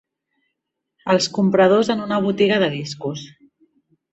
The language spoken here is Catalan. Els compradors en una botiga de discos.